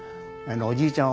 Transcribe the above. おじいちゃん